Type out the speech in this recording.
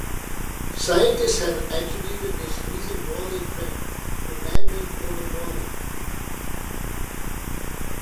Scientists have attributed this recent warming trend to man-made global warming.